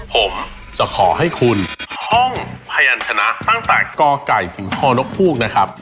ผมจะขอให้คุณห้องพยานชนะตั้งแต่กไก่ถึงพนกฮูกนะครับ